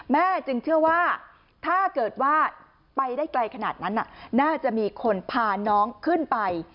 จึงเชื่อว่าถ้าเกิดว่าไปได้ไกลขนาดนั้นน่าจะมีคนพาน้องขึ้นไป